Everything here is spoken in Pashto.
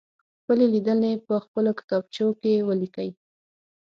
خپلې لیدنې په خپلو کتابچو کې ولیکئ.